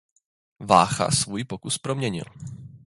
Vácha svůj pokus proměnil.